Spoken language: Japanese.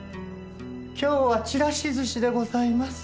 今日はちらし寿司でございます。